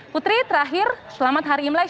putri terakhir selamat hari imlek